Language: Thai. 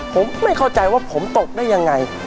ผมไม่เข้าใจว่าผมตกได้ยังไง